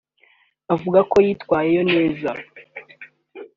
avuga ko yitwayeyo neza